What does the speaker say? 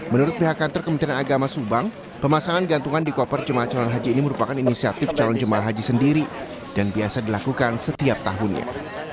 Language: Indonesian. menurut pihak kantor kementerian agama subang pemasangan gantungan di koper jemaah calon haji ini merupakan inisiatif calon jemaah haji sendiri dan biasa dilakukan setiap tahunnya